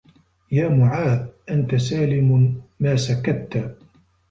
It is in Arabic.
يَا مُعَاذُ أَنْتَ سَالِمٌ مَا سَكَتَّ